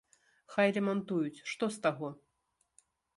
Хай лямантуюць, што з таго?!